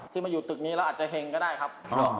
มาอยู่ตึกนี้แล้วอาจจะเห็งก็ได้ครับ